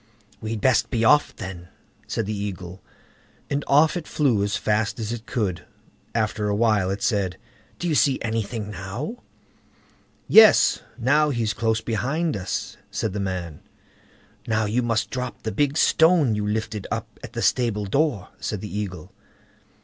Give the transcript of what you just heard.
"We'd best be off then", said the Eagle; and off it flew as fast as it could. After a while it said: "Do you see anything now?" "Yes! now he's close behind us", said the man. "Now, you must drop the big stone you lifted up at the stable door", said the Eagle.